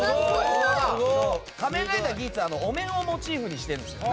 「仮面ライダーギーツ」はお面をモチーフにしてるんです。